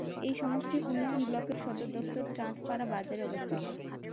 এই সমষ্টি উন্নয়ন ব্লকের সদর দফতর চাঁদপাড়া বাজারে অবস্থিত।